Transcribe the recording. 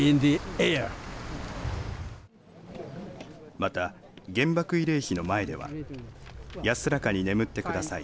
また、原爆慰霊碑の前では安らかに眠ってください